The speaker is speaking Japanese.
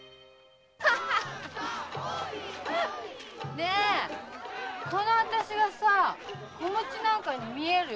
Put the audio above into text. ねぇこの私が子持ちなんかに見える？